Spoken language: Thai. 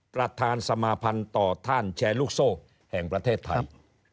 ประธานสมาพันธ์ต่อท่านแชร์ลูกโซ่แห่งประเทศไทย